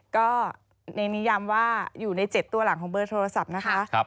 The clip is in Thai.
ก็ในนิย้ำว่าอยู่ใน๗ตัวหลังของเบอร์โทรศัพท์นะคะ